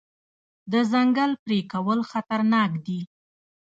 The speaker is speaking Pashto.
د ځنګل پرې کول خطرناک دي.